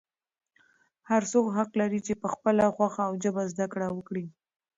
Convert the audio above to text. هر څوک حق لري چې په خپله خوښه او ژبه زده کړه وکړي.